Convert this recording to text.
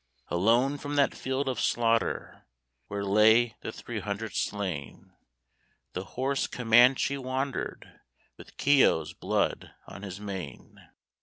Alone from that field of slaughter, Where lay the three hundred slain, The horse Comanche wandered, With Keogh's blood on his mane.